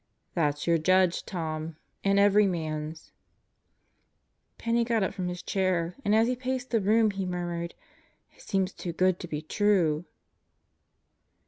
"That's your Judge, Tom and every man's." Penney got up from his chair, and as he paced the room, he murmured, "It seems too good to be true!"